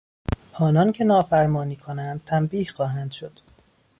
آنانکه نافرمانی کنند تنبیه خواهند شد.